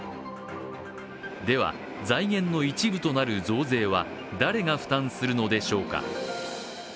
では、財源の一部となる増税は誰が負担するのでしょうか。